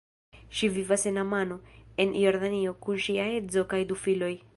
Ŝi vivas en Amano, en Jordanio, kun ŝia edzo kaj du filoj.